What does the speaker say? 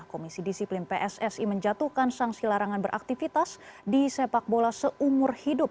komisi disiplin pssi menjatuhkan sanksi larangan beraktivitas di sepak bola seumur hidup